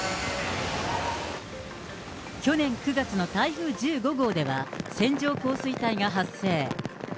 去年９月の台風１５号では、線状降水帯が発生。